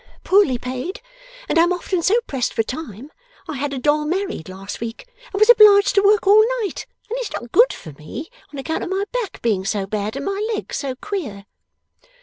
Poorly paid. And I'm often so pressed for time! I had a doll married, last week, and was obliged to work all night. And it's not good for me, on account of my back being so bad and my legs so queer.